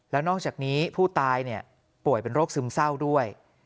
แล้วนอกจากนี้ผู้ตายป่วยเป็นโรคซึมเศร้าด้วย